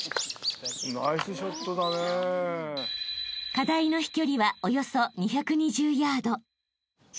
［課題の飛距離はおよそ２２０ヤード］